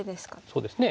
そうですね。